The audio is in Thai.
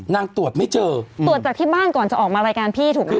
นางตรวจไม่เจอตรวจจากที่บ้านก่อนจะออกมารายการพี่ถูกไหมค